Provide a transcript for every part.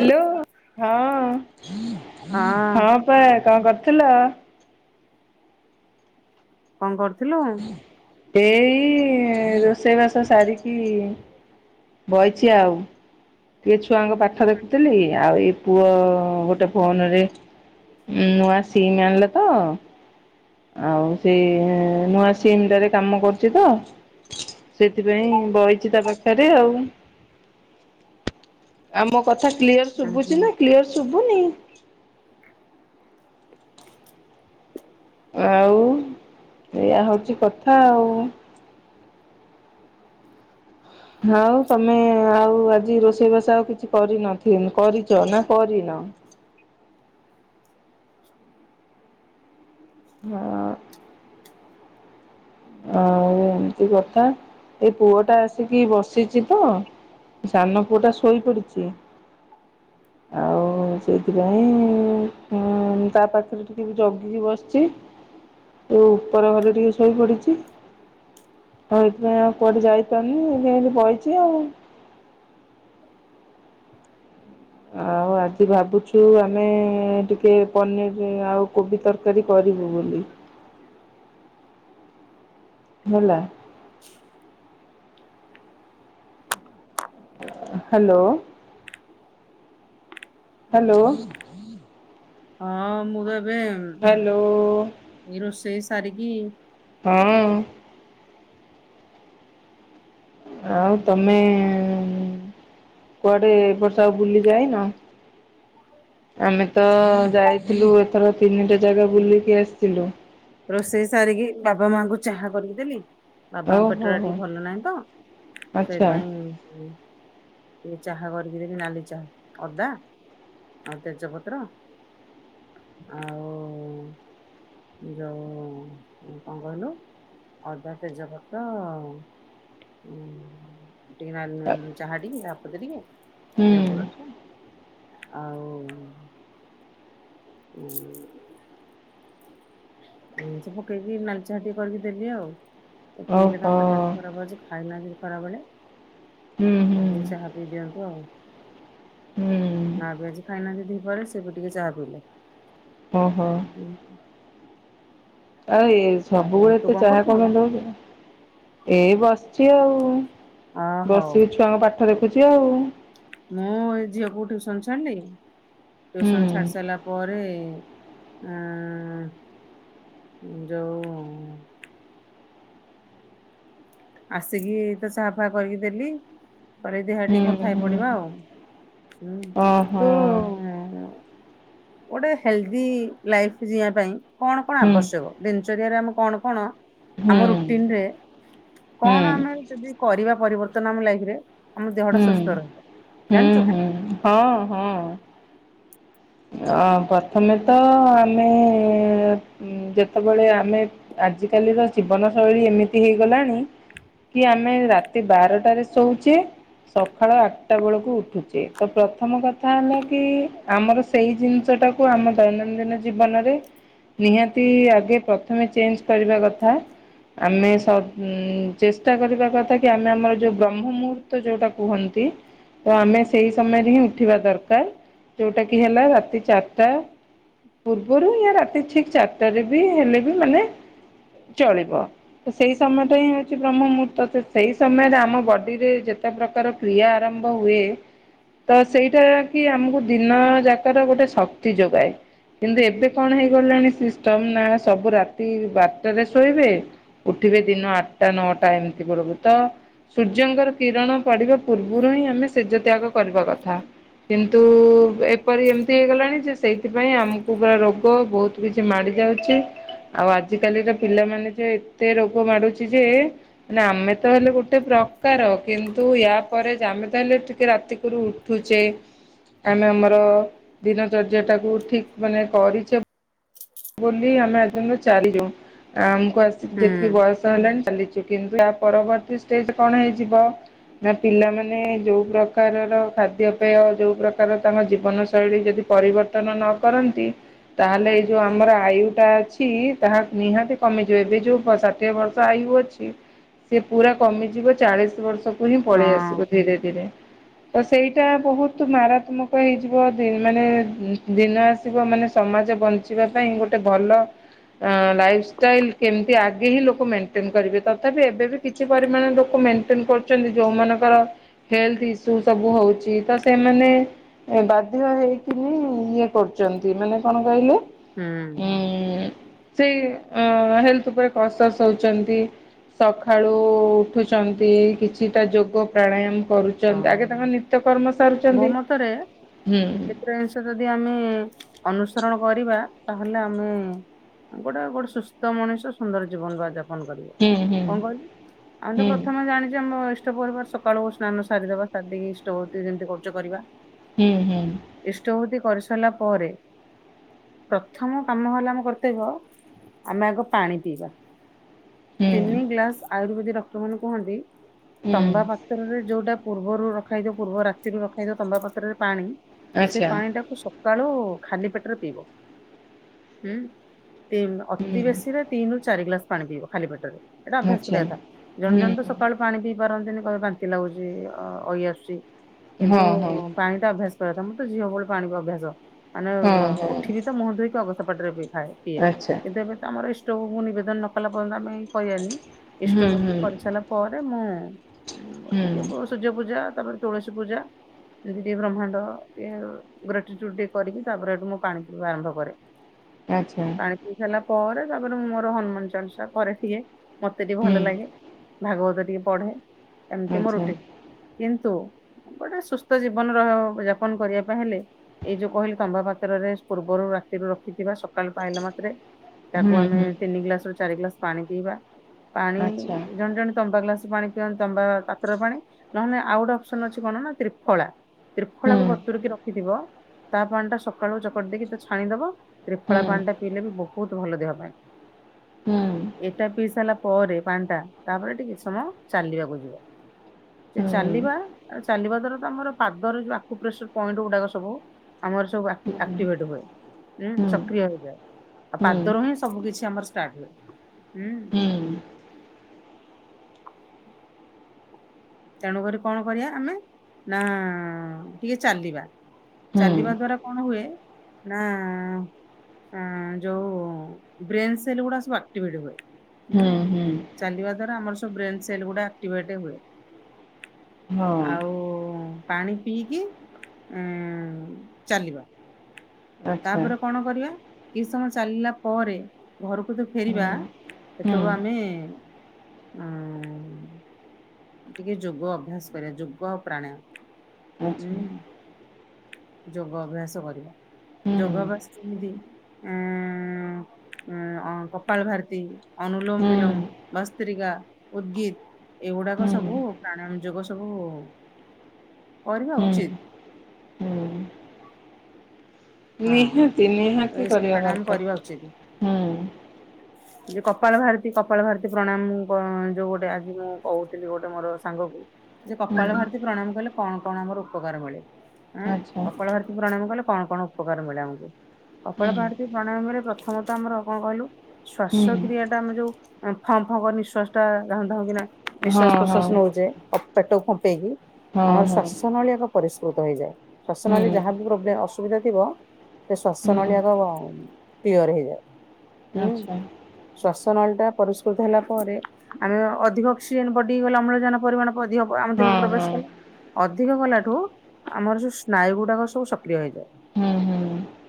Hello ହଁ ହଁ ଅପା କଁ କରୁଥିଲ। କଁ କରୁଥିଲୁ। ଏଇ ରୋଷେଇ ବାସ ସାରିକି। ବଇଛି ଆଉ। ଟିକେ ଛୁଆଙ୍କ ପାଠ ଦେଖୁଥିଲି ଆଉ ଏଇ ପୁଅ ଗୋଟେ ଫୋନ ରେ। ଉଁ ନୂଆ ସିମ ଆନିଲା ତ। ଆଉ ସେଇ ନୂଆ ସିମ୍ ଟାରେ କାମ କରୁଛି ତ। ସେଥିପାଇଁ ବଇଛି ତା ପାଖରେ ଆଉ ଆ ମୋ। କଥା କ୍ଲିୟର୍ ଉଁ ହୁଁ। ଶୁଭୁଛି ନା କ୍ଲିଅର୍ ଶୁଭୁନି। ଆଉ ଏଇଆ ହଉଛି କଥା ଆଉ। ଭାଉ ତମେ ଆଉ ଆଜି ରୋଷେଇ ବାସ ଆଉ କିଛି କରିନଥି କରିଛ ନା କରିନ। ହଁ। ଆଉ ଏମିତି କଥା ଏଇ ପୁଅ ଟା ଆସିକି ବସିଛି ତ। ସାନ ପୁଅଟା ସୋଇ ପଡିଛି। ଆଉ ସେଇଥି ପାଇଁ ଉଁ ତା ପାଖରେ ଟିକେ ବି ଜଗିକି ବସିଛି। ଏଇ ଉପର ଘରେ ଟିକେ ଶୋଇ ପଡିଛି। ଆଉ ଏଥିପାଇଁ ଆଉ କୁଆଡେ ଯାଇପାନି [unintelligible] ବଇଚି ଆଉ। ଆଉ ଆଜି ଭାବୁଛୁ ଆମେ ଟିକେ ପନିର ଆଉ କୋବି ତରକାରୀ କରିବୁ ବୋଲି। ହେଲା। ହାଲୋ। ହାଲୋ। ହଁ ମୁଁ ଭାବେ ହାଲୋ। ଏଇ ରୋଷେଇ ସାରିକି ହଁ। ଆଉ ତମେ କୁଆଡେ ଏ ବର୍ଷ ଆଉ ବୁଲି ଯାଇନ? ଆମେ ତ ଯାଇଥିଲୁ ଏଥର ତିନିଟା ଜାଗା ବୁଲିକି ଆସିଥିଲୁ। ରୋଷେଇ ସାରିକି ବାବା ମାଙ୍କୁ ଚାହା କରିକି ଦେଲି। ବାବାଙ୍କ ପେଟ ଓହୋ ଟା ହୋ ଟିକେ ଭଲ ନାହିଁ ତ ଆଚ୍ଛା ସେଇପାଇଁ ହୁଁ। ଟିକେ ଚାହା କରିକି ଦେଲି ନାଲି ଚା ଅଦା ଆଉ ତେଜପତ୍ର ଆଉ ଯୋଉ କଣ କହିଲୁ? ଅଦା, ତେଜପତ୍ର ଉଁ ଟିକେ [unintelligible] ଚାହା ଟିକେ ଚାହା ପତି ଟିକେ ହୁଁ ଲେମ୍ବୁ ର ସ ଆଉ ହୁଁ। ହୁଁ ସବୁ ପକେଇକି ନାଲି ଚାହା ଟିକେ କରିକି ଦେଲି ଆଉ ପିଇଲେ ଓହୋ ତାଙ୍କ ପେଟଟି ଖରାପ ଅଛି। ଖାଇନାହାନ୍ତି ଖରାବେଳେ ହୁଁ ହୁଁ [unintelligible] ଚାହା ପି ଦିଅନ୍ତୁ ଆଉ। ହୁଁ ମା ବି ଆଜି ଖାଇନାହାନ୍ତି ଦି ପହରେ ସେ ବି ଟିକେ ଚା ପିଇଲେ। ଓହୋ। ହୁଁଁ। ଆଉ ଏଇ ସବୁ ଆଉ ବେଳେ ତୁ ଏତେ ଚାହା କରୁଥିଲୁ? କଣ ପାଇଁ ଦଉଚ? ଏଇ ବସିଚି ଆଉ ଅ ହଉ ବସିକି ଛୁଆଙ୍କ ପାଠ ଦେଖୁଚି ଆଉ। ମୁଁ ଏଇ ଝିଅକୁ ଟିୟୁସନ୍ ଛାଡ଼ିଲି ହୁଁ। ଟିୟୁସନ୍ ଛାଡ଼ିସାରିଲା ପରେ ଆଁ ଯୋଉ ଆସିକି ଏଇ ତ ଚାହା ଫା କରିକି ଦେଲି। ପରେ ଦେଖିଆ ହୁଁ ଟିକେ କଥା ହେଇ ହୁଁ ପଡ଼ିବା ଆଉ ହୁଁ ଓହୋ ତୁ ଉ ଗୋଟେ ହେଲଦି ଲାଇଫ ଯିଇଁବା ପାଇଁ କଣ କଣ ହୁଁ ଆବଶ୍ୟକ? ଦିନଚର୍ୟା ରେ ଆମେ କଣ କଣ ଆମ ହୁଁ। ରୁଟିନ ରେ ହୁଁ କଣ ଆମେ ଯଦି କରିବା ପରିବର୍ତ୍ତନ ଆମ ଲାଇଫରେ ଆମ ଦେହଟା ହୁଁ ସୁସ୍ଥ ରହିବ ହୁଁ ଜାଣିଚୁ? ହୁଁ ହଁ ହଁ। ଅ ପ୍ରଥମେ ତ ଆମେ ଉଁ ଯେତବେଳେ ଆମେ ଆଜିକାଲିର ଜୀବନଶୈଳୀ ଏମିତି ହେଇଗଲାଣି। କି ଆମେ ରାତି ବାରଟାରେ ଶୋଉଚେ ସଖାଳ ଆଟଟା ବେଳକୁ ଉଠୁଚେ ତ ପ୍ରଥମ କଥା ହେଲା କି ଆମର ସେଇ ଜିନିଷଟାକୁ ଆମ ଦୈନନ୍ଦିନ ଜୀବନରେ ନିହାତି ଆଗେ ପ୍ରଥମେ ଚେଞ୍ଚ୍ କରିବା କଥା। ଆମେ ସ ଚେଷ୍ଟା କରିବା କଥା କି ଆମେ ଆମର ଯୋଉ ବ୍ରହ୍ମ ମୁହୂର୍ତ୍ତ ଯୋଉଟା କୁହନ୍ତି ତ ଆମେ ସେଇ ସମୟରେ ହିଁ ଉଠିବା ଦରକାର ଯୋଉଟା କି ହେଲା ରାତି ଚାରିଟା। ପୂର୍ବରୁ ୟା ରାତି ଠିକ୍ ଚାରିଟା ରେ ବି ହେଲେ ବି ମାନେ ଚଳିବ। ତ ସେଇ ସମୟଟା ହିଁ ହଉଚି ବ୍ରହ୍ମ ମୁହୂର୍ତ୍ତ ତ ସେଇ ସମୟରେ ଆମ ବଡିରେ ଯେତେ ପ୍ରକାର କ୍ରିୟା ଆରମ୍ଭ ହୁଏ ତ ସେଇଟା କି ଆମୁକୁ ଦିନ ଯାକର ଗୋଟେ ଶକ୍ତି ଯୋଗାଏ। କିନ୍ତୁ ଏବେ କଣ ହେଇଗଲାଣି ସିଷ୍ଟମ ନା ସବୁ ରାତି ବାରଟାରେ ଶୋଇବେ ଉଠିବେ ଦିନ ଆଠଟା ନଅଟା ଏମିତି ବେଳକୁ ତ ସୂର୍ଯ୍ୟଙ୍କର କିରଣ ପଡ଼ିବା ପୂର୍ବରୁ ହିଁ ଆମେ ସେଜ ତ୍ୟାଗ କରିବା କଥା। କିନ୍ତୁ ଏ କିପରି ଏମିତି ହେଇଗଲାଣି ଯେ ସେଇଥିପାଇଁ ଆମକୁ ପୁରା ରୋଗ ବହୁତ କିଛି ମାଡି ଯାଉଚି ଆଉ ଆଜିକାଲିର ପିଲାମାନେ ଯେ ଏତେ ରୋଗ ମାଡୁଡ଼ି ଯେ ନା ଆମେ ତ ହେଲୁ ଗୋଟେ ପ୍ରକାର କିନ୍ତୁ ୟା ପରେ ଆମେ ତା ହେଲେ ଟିକେ ରାତିକରୁ ଉ ଉଠୁଚେ ଆମେ ଆମର ଦିନଚର୍ଯ୍ୟାଟାକୁ ଠିକ୍ ମାନେ କରି ଚେ ବୋଲି ଆମେ ଆଜିୟାଙ୍କ ଚାରିଲୁ ଆମକୁ ଆସିି ହୁଁ ଯେତିକି ବୟସ ହେଲାଣି ଚାଲିଚି। କିନ୍ତୁ ତା ପରବର୍ତ୍ତୀଷ୍ଟେପ୍ କଣ ହେଇଯିବ ନା ପିଲାମାନେ ଯୋଉ ପ୍ରକାରର ଖାଦ୍ୟପେୟ ଯୋଉ ପ୍ରକାର ତାଙ୍କ ଜୀବନ ଶୈଳୀ ଯଦି ପରିବର୍ତ୍ତନ ନ କରନ୍ତି ତାହେଲେ ଯୋଉ ଆମର ଆୟୁଟା ଅଛି ତାହା ନିହାତି କମିଯିବ ଏବେ ଯୋଉ ଷାଠିଏ ବର୍ଷ ଆୟୁ ଅଛି ସେ ପୁରା କମିଯିବ ଚାଳିଶ ବର୍ଷକୁ ହିଁ ପଳେଇ ହଁ ଆସିବ ଧୀରେ ଧୀରେ ତ ସେଇଟା ବହୁତ ମାରାତ୍ମକ ହେଇଯିବ ଦି ମାନେ ଦିନ ଆସିବ ମାନେ ସମାଜ ବଞ୍ଚିବା ପାଇଁ ଗୋଟେ ଭଲ ଲାଇଫଷ୍ଟାଇଲ କେମିତି ଆଗେ ହିଁ ଲୋକ ମେଣ୍ଟେନ କରିବେ ତଥାପି ଏବେ ବି କିଛି ପରିମାଣ ଲୋକ ମେଣ୍ଟେନ କରୁଚନ୍ତି ଯୋଉ ମାନଙ୍କର ହେଲଥ ଇସୁ ସବୁ ହୋଉଚି ତ ସେମାନେ ଏ ବାଧ୍ୟ ହେଇକିନି ଇଏ କରୁଚ଼ନ୍ତି ମାନେ କଣ କହିଲୁ ହୁଁ। ସେଇ ହେଲଥ ଉପରେ କଂସର୍ସ ହଉଚନ୍ତି। ସଖାଳୁ ଉଠୁଚ଼ନ୍ତି କିଛିଟା ଯୋଗ ପ୍ରାଣାୟାମ କରୁ ଚନ ହଁ ଆଗେ ତାଙ୍କ ନିତ୍ୟ କର୍ମ ସାରୁଚନ୍ତି ହୁଁ। ତ ଯଦି ଆମେ ଅନୁସରଣ କରିବା ତାହେଲେ ଆମେ ଗୋଟେ ଗୋଟେ ସୁସ୍ଥ ମଣିଷ ସୁନ୍ଦର ଜୀବନ ବା ଜା ପନ କରିବା। ହୁଁ ହୁଁ କଣ କଇଲୁ ଆମେ ତ ହୁଁ ପ୍ରଥମେ ଜାଣି ଚେ ଆମ ଇଷ୍ଟ ପରିବାର ସକାଳୁ ସ୍ନାନ ସାରିଦବା ସାରିଦେଇକି ଇଷ୍ଟବୃତ୍ତି ଯେମିତି କରୁଚେ କରିବା। ହୁଁ ହୁଁ। ଇଷ୍ଟଭୂତି କରି ସାରିଲା ପରେ ପ୍ରଥମ କାମ ହେଲା ଆମ କର୍ତବ୍ୟ ଆମେ ଆଗ ପାଣି ପିଇବା। ହୁଁ ତିନି ଗ୍ଲାସ ଆୟୁର୍ବେଦିକ ଡକ୍ଟର ମାନ କୁହନ୍ତି ହୁଁ ତମ୍ବା ପାତ୍ରରେ ତା ପୂର୍ବରୁ ରଖାହେଇଥିବ ପୂର୍ବ ରାତିରୁ ରଖାହେଇଥିବା ତମ୍ବା ପାତ୍ରରେ ପାଣି ସେ ଆଚ୍ଛା ପାଣି ଟାକୁୁ ସ କାଳୁ ଖାାଲି ପେଟରେ ପିଇବ। ଉଁ ଅତି ବେଶୀ ରେ ତିନି ରୁ ଚାରି ଗ୍ଲାସ ପାଣି ପିଇବ ଖାଲି ପେଟରେ। ଏଇଟା ଅଭ୍ୟାସ ଆଚ୍ଛା। କରିବା କଥା ଜଣେ ହୁଁ ଜଣ ତ ସକାଳୁ ପାଣି ପିଇ ପାରନ୍ତିନି କହିବେ ବାନ୍ତି ଲାଗୁଚି ଅ ଅଇଆସୁଚି। ହଁ କିନ୍ତୁ ହଁ ପାଣି ଟା ଅଭ୍ୟାସ କରିବା କଥା ମୁଁ ତ ଝିଅ ବେଳୁ ପାଣି ଅଭ୍ୟାସ ମାନେ ହଁ ହଁ ଉଠିବି ତ ମୁହଁ ଧୋଇକି ଅଗସାପାଟିରେ ପିଇବି। ଖାଏ ପିଏ ଆଚ୍ଛା। ଏ ଏବେ ତ ଆମର ଇଷ୍ଟୋକୁ ନିବେଦନ ନ କଲା ପର୍ଯ୍ୟନ୍ତ ଆମେ ଖଇଆନି ଇଷ୍ଟ ହୁଁ ଭୂତି ହୁଁ କରିସାରିଲା ପରେ ମୁଁ ଟିକେ ହୁଁ [unintelligible] ସୂର୍ଯ୍ୟ ପୂଜା ତାପରେ ତୁଳସୀ ପୂଜା ଏମିତି ଟିକେ ବ୍ରହ୍ମାଣ୍ଡ ଟେ ବ୍ରେଡ୍‌ଟୁଟିଟେ କରିକି ତାରେ ସେଇଠୁ ମୁଁ ପାଣି ପିଇବା ଆରମ୍ଭ କରେ। ଆଛା। ଏତିକି ସରିଲା ପରେ ତାପରେ ମୋର ହନୁମାନ ଚାଲିସା ପରେ ଇଏ ମତେ ଟିକେ ହୁଁ ଭଲ ଲାଗେ। ଭାଗବତ ଟିକେ ପଢ଼େ। ଇଏ ମୋ ଆଚ୍ଛା। ରୁଟିନ କିନ୍ତୁ ଗୋଟେ ସୁସ୍ଥ ଜୀବନର ଯାପନ କରିବା ପାଇଁ ହେଲେ ଏଇ ଯୋଉ କହିଲି ତମ୍ବା ପାତ୍ରରେ ପୂର୍ବରୁ ରାତିରୁ ରଖିଥିବା ସକାଳୁ ପାଇଲା ମାତ୍ରେ ତାକୁ ହୁଁ ଆମେ ହୁଁ ତିନି ଗ୍ଲାସ ରୁ ଚାରି ଗ୍ଲାସ ପାଣି ପିଇବା ପାଣି ଆଚ୍ଛା ଜଣେ ଜଣେ ତମ୍ବା ଗ୍ଲାସ ପାଣି ପିଅନ୍ତି ତମ୍ବା ପା ତ୍ର ପାଣି ନହଲେ ଆଉ ଗୋଟେ ଅପସନ୍ ଅଛି କଣ ନା ତ୍ରିଫଳା ହୁଁ ତ୍ରିଫଳାକୁ ବତୁରିକି ର ଖି ଥିବ ତା ପାଣି ଟା ସକାଳୁ ଚକଟି ଦେଇକି ତ ଛାଣିଦବ ତ୍ରିଫଳା ହୁଁ ପାଣି ଟା ପିଇଲେ ବି ବହୁତ ଭଲ ଦେହ ପାଇଁ ହୁଁ ଏଇଟା ପିଇ ସାଇଲା ପରେ ପାଣ୍ଡା ତାପରେ ଟିକେ ସମୟ ଚାଲିବାକୁ ଯିବ। ସେ ହୁଁ। ଚାଲିବା ଚାଲିବା ଦ୍ଵାରା ଆମର ପାଦରେ ଯଉ ଆକୁ ପ୍ରେସର ପଏଣ୍ଟ ଗୁଡାକ ସବୁ। ଆମର ସବୁ ଆକ ଆକ୍ଟିଭେଟ ହୁଏଁ ସକ୍ରିୟ ହେଇଯାଏ। ଆଉ ପାଦରୁ ହିଁ ସବୁ କିଛି ଆମର ଷ୍ଟାର୍ଟ ହୁଏ ହୁଁ। ହୁଁ। ତେଣୁ କରି କଣ କରିବା ଆମେ ନା ଟିକେ ଚାଲିବା ଚାଲିବା ଦ୍ଵାରା। କଣ ହୁଏ ନା। ଯୋଉ ବ୍ରେନ୍ ସେଲ୍ ଗୁଡା ସବୁ ଆକ୍ଟିଭେଟ ହୁଏ। ହୁଁ ଚାଲିବା ଦ୍ଵାରା ଆମର ସବୁ ବ୍ରେନ୍ ସେଲ୍ ଗୁଡା ଆକ୍ଟିଭେଟ୍ ହୁଏ। ଆଉ ପାଣି ପିଇକି ଉଁ ଚାଲିବ। ତାପରେ କଣ କରିବା। କିଛି ସମୟ ଚାଲିଲା ପରେ ଘରକୁ ତ ଫେରିବା ସେତେବେଳୁ ଆମେ। ଉଁ। ଟିକେ ଯୋଗ ଅଭ୍ୟାସ କରିବା ଯୋଗ ଆଉ ପ୍ରାଣାୟାମ। ହୁଁ ଆଚ୍ଛ। ଯୋଗ ଅଭ୍ୟାସ କରିବା ଯୋଗ ଅଭ୍ୟାସ ଯେମିତି ଏଁ ଉ କପାଳ ଭାରତୀ ଅନୁଲୋମ ବିଲୋମ ବସ୍ତ୍ରିକା ଉଦ୍ଗିତ୍। ଏ ଗୁଡାକ ସବୁ ପ୍ରାଣାୟାମ ଯୋଗ ସବୁ କରିବା ଉଚିତ। ହଁ ନିହାତି ନିହାତି ଏସବୁ କରିବା ପ୍ରାଣାୟାମ କରିବା ଦରକାର ହୁଁ। ଯଉ କପାଳ ଭାରତୀ କପାଳ ଭାରତୀ ପ୍ରଣାୟାମ ଯୋଉ ଗୋଟେ ଆଜି ମୁଁ କହୁଥିଲି ଗୋଟେ ମୋର ସାଙ୍ଗ କୁ। ଯେ କପାଳ ଭାରତୀ ପ୍ରଣାମ କଲେ କଣ କଣ ଆମର ଉପକାର ମିଳେ। ହଁ କପାଳ ଭାରତିକୁ ପ୍ରଣାମ କଲେ କଣ କଣ ଉପକାର ମିଳେ ଆମକୁ। କପାଳ ଭାରତୀ ପ୍ରଣାୟମରେ ପ୍ରଥମ ତଃ ଆମର କଣ କହିଲୁ ଶ୍ଵାସ କ୍ରିୟା ଟା ଆମେ ଯୋଉ। ଫଁ ଫଁ ନିଶ୍ୱାସ ଟା ଧାଉଁ ଧାଉଁ କି ନା ନିଶ୍ଵାସ ହଁ ହଁ ପ୍ରଶ୍ୱାସ ହଁ ନଉଛେ ପେଟକୁ ଫମ୍ପେଇକି। ଆମର ହଁ ଶ୍ୱାସ ନଳୀ ଏକ ପରିଷ୍କୃତ ହେଇଯାଏ। ଶ୍ୱାସ ହୁଁ ନଳୀରେ ଯାହାବି ପ୍ରୋବ୍ଲେ ଅସୁବିଧା ଥିବ ସେ ଶ୍ୱାସ ହୁଁ ନଳୀ ଆଗ କ୍ଳିଅର ହେଇଯାଏ ଉଁ ଆଚ୍ଛା ଶ୍ଵାସ ନଳିଟା ପରିଷ୍କୃତ ହେଲା ପରେ। ଆମେ ଅଧିକ ଅକ୍ସିଜେନ ବଡିକୁ ଗଲା ଅମ୍ଳଜାନ ପରିମାଣ ପ ଅଧିକ ଆମ ଦେହକୁ ହଁ ପ୍ରବେଶ କଲା। ହଁ ଅଧିକ ଗଲାଠୁ ଆମର ଯୋଉ ସ୍ନାୟୁ ଗୁଡାକ ସବୁ ସକ୍ରିୟ ହେଇଯାଏ। ହୁଁ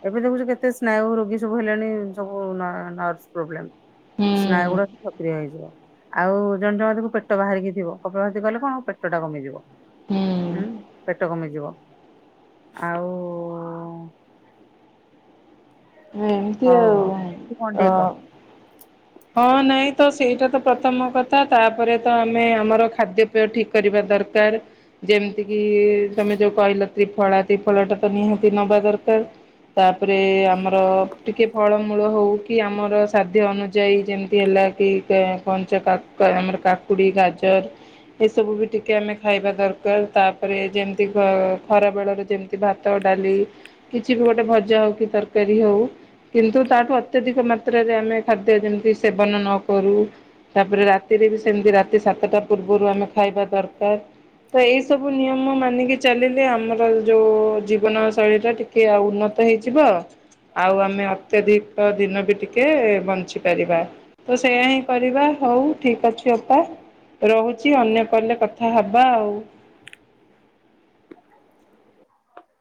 ଏବେ ଦେଖୁଛୁ କେତେ ସ୍ନାୟୁ ରୋଗୀ ସବୁ ହେଲେଣି ସବୁ ନ ନର୍ସ ପ୍ରୋବ୍ଲେମ। ହୁଁ ସ୍ନୟଗୁଡାକ ସକ୍ରିୟ ହେଇଯିବ। ଆଉ ଜଣ ଜଣକ ଦେଖିବୁ ପେଟ ବାହାରିକି ଥିବ କପାଳଭାରତି କଲେ କଣ ପେଟ ଟା କମିଯିବ। ହୁଁ ପେଟ କମିଯିବ ଆଉ। ଏମିତି ହଉ ଆଉ ହଉ ତୁ କଣ ଅ ଟିକେ କହ। ହଁ ନାଇଁ ତ ସେଇଟା ତ ପ୍ରଥମ କଥା ତାପରେ ତ ଆମେ ଆମର ଖାଦ୍ୟ ଦ୍ୟ ଠିକ କରିବା ଦରକାର। ଯେମିତି କିି ତମେ ଯୋଉ କହିଲ ତ୍ରି ଫଳା ତ୍ରି ଫଳା ଟା ତ ନିହାତି ନବା ଦରକାର। ତାପରେ ଆମର ଟିକେ ଫଳମୂଳ ହଉ। କି ଆମର ସାଧ୍ୟ ଅନୁଯାୟୀ ଯେମିତି ହେଲା କି କଞ୍ଚା କାକ ଆମର କାକୁଡ଼ି, ଗାଜର। ଏସବୁ ବି ଟିକେ ଆମେ ଖାଇବା ଦରକାର ତାପରେ ଯେମିତି ଖ ଖରା ବେଳରେ ଯେମ ଭାତ ଡାଲି କିଛି ବି ଗୋଟେ ଭଜା ହଉ କି ତରକାରୀ ହଉ। କିନ୍ତୁ ତାଠୁ ଅତ୍ୟଧିକ ମାତ୍ରାରେ ଆମେ ଖାଦ୍ୟ ଯେମିତି ସେବନ ନ କରୁ। ତାପରେ ରାତିରେ ବି ସେମିତି ରାତି ସାତଟା ପୂର୍ବରୁ ଆମେ ଖାଇବା ଦରକାର। ତ ଏଇ ସବୁ ନିୟମ ମାନିକି ଚାଲିଲେ ଆମର ଯୋଉ ଜୀବନ ଶୈଳ କି କିଏ ଆଉ ଉନ୍ନତ ହେଇଯିବ। ଆଉ ଆମେ ଅତ୍ୟଧିକ ଦିନ ବି ଟିକେ ବଞ୍ଚି ପାରିବା। ତ ସେଇୟା ହିଁ କରିବା ହଉ ଠିକ ଅଛି ଅପା। ରହୁଛି ଅନ୍ୟ କଲ୍ ରେ କଥା ହବା ଆଉ।